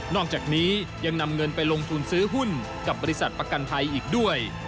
อกจากนี้ยังนำเงินไปลงทุนซื้อหุ้นกับบริษัทประกันภัยอีกด้วย